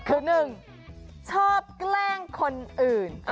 คือ๑ชอบแกล้งคนอื่น